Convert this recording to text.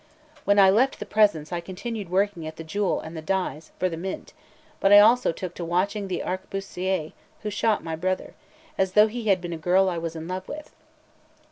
When I left the presence, I continued working at the jewel and the dies for the Mint; but I also took to watching the arquebusier who shot my brother, as though he had been a girl I was in love with.